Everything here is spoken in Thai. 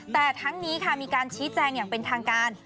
แต่ทั้งนี้ค่ะมีการชี้แจงอย่างเป็นทางการ